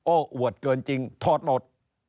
อวดเกินจริงถอดหมด